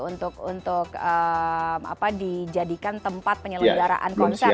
untuk dijadikan tempat penyelenggaraan konser